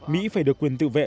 mỹ phải được quyền tự vệ